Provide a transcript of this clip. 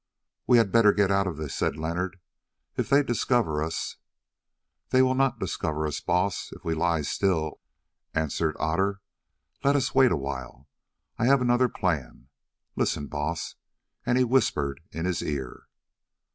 "We had better get out of this," said Leonard; "if they discover us——" "They will not discover us, Baas, if we lie still," answered Otter; "let us wait awhile. I have another plan. Listen, Baas." And he whispered in his ear.